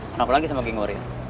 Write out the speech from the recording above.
kenapa lagi sama geng warrior